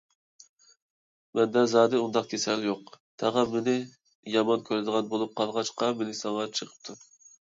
مەندە زادى ئۇنداق كېسەل يوق؛ تاغام مېنى يامان كۆرىدىغان بولۇپ قالغاچقا، مېنى ساڭا چېقىپتۇ.